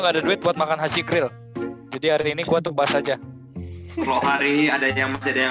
gak ada duit buat makan hacikril jadi hari ini gue untuk bass aja kalau hari ada yang